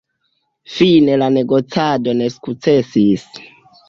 Fine la negocado ne sukcesis.